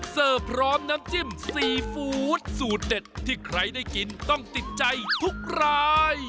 พร้อมน้ำจิ้มซีฟู้ดสูตรเด็ดที่ใครได้กินต้องติดใจทุกราย